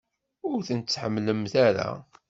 Ur tent-tḥemmlemt ara?